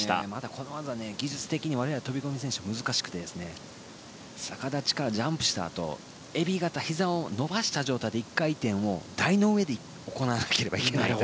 この技、技術的にまだ飛込選手には難しくて逆立ちからジャンプしたあとえび型ひざを伸ばした状態で１回転を台の上で行わなければいけないので。